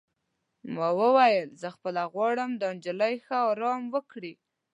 ما وویل: زه خپله غواړم دا نجلۍ ښه ارام وکړي.